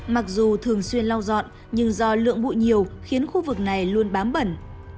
mặc dù thường xuyên lau dọn nhưng do lượng bụi nhiều khiến khu vực này luôn bám bẩn